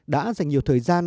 đã dành nhiều thời gian